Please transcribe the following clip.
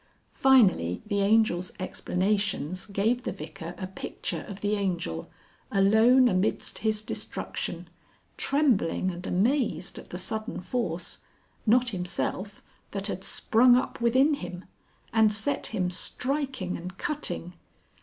Finally the Angel's explanations gave the Vicar a picture of the Angel alone amidst his destruction, trembling and amazed at the sudden force, not himself, that had sprung up within him, and set him striking and cutting.